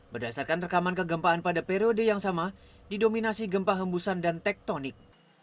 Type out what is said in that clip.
berdasarkan rekaman kegempaan pada periode yang sama didominasi gempa hembusan dan tektonik